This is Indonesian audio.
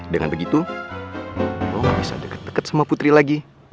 dengan begitu lo gak bisa dekat dekat sama putri lagi